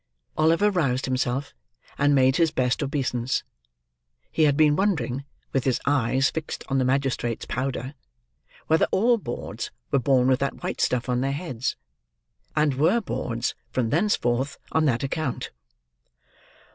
Oliver roused himself, and made his best obeisance. He had been wondering, with his eyes fixed on the magistrates' powder, whether all boards were born with that white stuff on their heads, and were boards from thenceforth on that account.